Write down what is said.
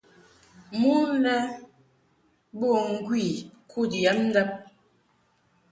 Mon lɛ bo ŋgwi kud yab ndab.